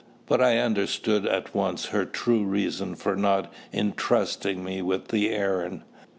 But I understood at once her true reason for not entrusting me with the errand.